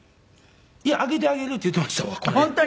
いや「挙げてあげる」って言うてましたわこの間。